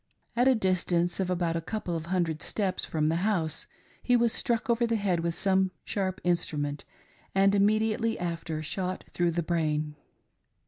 At a distance of about a couple of hundred steps from the house he was struck over the head "WHEX 'DESERET' becomes A STATE?" 339 with some sharp instrument, and immediately after shot through the brain.